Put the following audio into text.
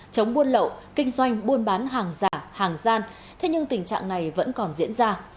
chống buôn lậu kinh doanh buôn bán hàng giả hàng gian thế nhưng tình trạng này vẫn còn diễn ra